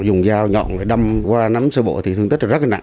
dùng dao nhọn để đâm qua nắm sơ bộ thì thương tích rất là nặng